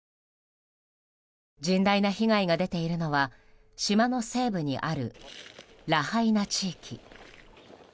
甚大な被害が出ているのは島の西部にあるラハイナ地域。